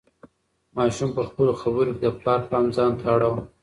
ماشوم په خپلو خبرو کې د پلار پام ځان ته اړاوه.